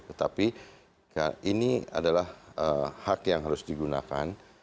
tetapi ini adalah hak yang harus digunakan